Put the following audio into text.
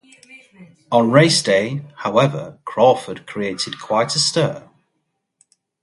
On race day, however, Crawford created quite a stir.